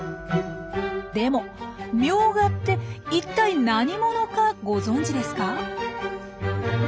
でもミョウガっていったい何者かご存じですか？